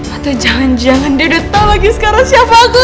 atau jangan jangan dia udah tahu lagi sekarang siapa aku